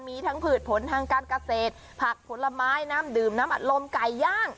มีทั้งผืดผลทางการเกษตรผักผลไม้น้ำดื่มน้ำอัดลมไก่ย่าง